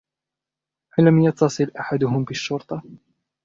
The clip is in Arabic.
ألم يتصل أحدهم بالشرطة ؟